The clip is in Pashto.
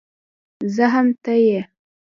زه هم ته يې